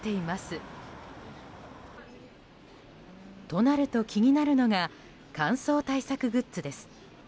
となると気になるのが乾燥対策グッズです。